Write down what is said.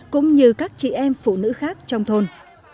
cũng như các chị em phụ nữ khác trong thôn